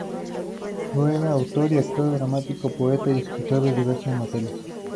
Fue autor y actor dramático, poeta y escritor de diversas materias.